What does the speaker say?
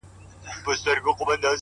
زده کړه د کشف دوامداره سفر دی!